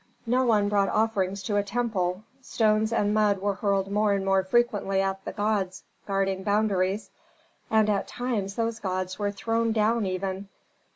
No one brought offerings to a temple. Stones and mud were hurled more and more frequently at the gods guarding boundaries, and at times these gods were thrown down even.